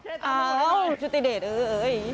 เอ้าชุตติเดทเอ๊ย